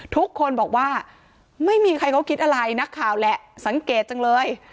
ทุกคนบอกว่าไม่มีใครเขาคิดอะไรนักข่าวแหละสังเกตจังเลย